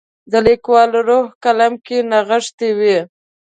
د لیکوال روح قلم کې نغښتی وي.